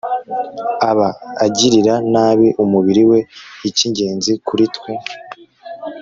aba agirira nabi umubiri we Icyingenzi kuri twe